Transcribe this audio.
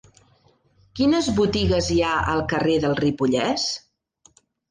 Quines botigues hi ha al carrer del Ripollès?